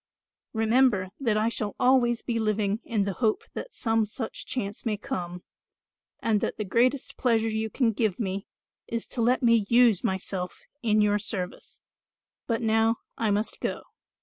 Remember that I shall always be living in the hope that some such chance may come and that the greatest pleasure you can give me is to let me use myself in your service. But now I must go."